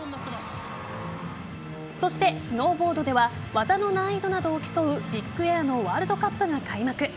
そして、スノーボードでは技の難易度などを競うビッグエアのワールドカップが開幕。